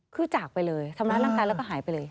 คือจากไปเลยทำร้ายร่างกายแล้วก็หายไปเลย